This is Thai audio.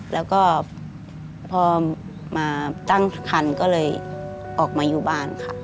แล้วก็พอมาตั้งคันก็เลยออกมาอยู่บ้านค่ะ